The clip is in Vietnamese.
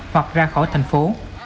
hoặc ra khỏi thành phố